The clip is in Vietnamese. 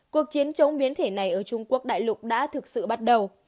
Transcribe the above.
cuộc chiến chống biến thể này ở trung quốc đại lục đã thực sự bắt đầu